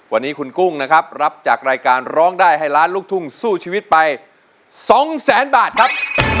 วันนี้คุณกุ้งนะครับรับจากรายการร้องได้ให้ล้านลูกทุ่งสู้ชีวิตไป๒แสนบาทครับ